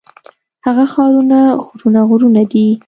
هغه ښارونه غرونه غرونه دي.